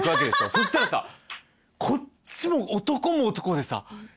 そしたらさこっちも男も男でさえって。